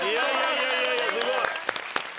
いやいやいやすごい。